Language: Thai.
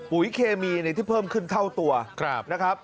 เคมีที่เพิ่มขึ้นเท่าตัวนะครับ